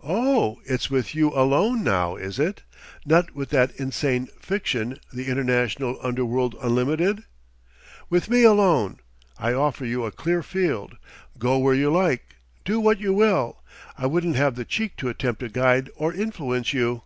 "Oh, it's with you alone, now is it? Not with that insane fiction, the International Underworld Unlimited?" "With me alone. I offer you a clear field. Go where you like, do what you will I wouldn't have the cheek to attempt to guide or influence you."